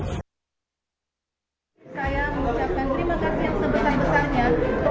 ntt dua luar biasa hubungan masyarakat disuruh suruh